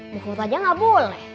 bukut aja gak boleh